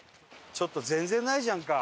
ちょっと全然ないじゃんか。